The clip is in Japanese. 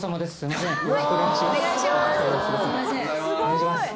よろしくお願いします。